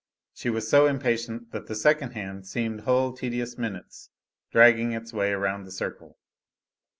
She was so impatient that the second hand seemed whole tedious minutes dragging its way around the circle.